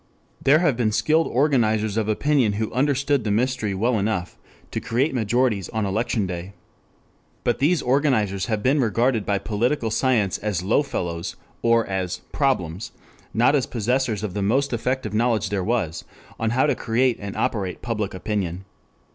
There have been skilled organizers of opinion who understood the mystery well enough to create majorities on election day. But these organizers have been regarded by political science as low fellows or as "problems," not as possessors of the most effective knowledge there was on how to create and operate public opinion.